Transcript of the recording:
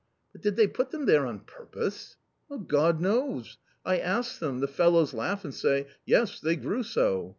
" But did they put them there on purpose?" " God knows. I asked them ; the fellows laugh, and say, yes, they grew so.